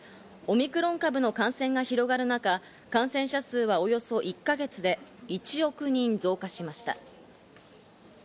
オミクロン株の感染が広がる中、感染者数はおよそ１か月で１億人増加しました。